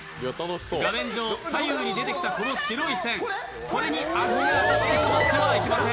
画面上、左右に出てきたこの白い線、これに足が当たってしまってはいけません。